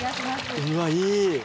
うわあいい。